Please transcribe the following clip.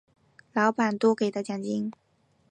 老板多给的奖金